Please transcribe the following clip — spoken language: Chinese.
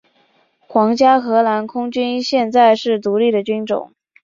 皇家荷兰空军现在是独立的军种。